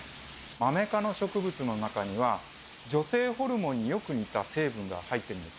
マメ科の植物の中には、女性ホルモンによく似た成分が入ってるんです。